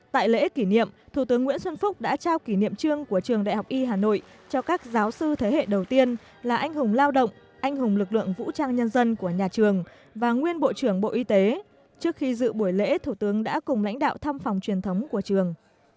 tại lễ kỷ niệm thủ tướng nguyễn xuân phúc đã trao kỷ niệm trương của trường đại học y hà nội cho các giáo sư thế hệ đầu tiên là anh hùng lao động anh hùng lực lượng vũ trang nhân dân của nhà trường và nguyên bộ trưởng bộ y tế trước khi dự buổi lễ thủ tướng đã cùng lãnh đạo thăm phòng truyền thống của trường